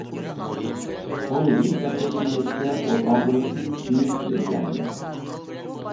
قولى ھېچ ئەپلەشمىگەچكە ئوت ئالدۇرۇشنى كېيىنچە ئۆگەندى.